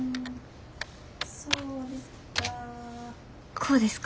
こうですか？